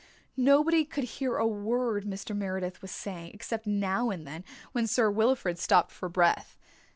Nobody could hear a word Mr. Meredith was saying, except now and then, when Sir Wilfrid stopped for breath.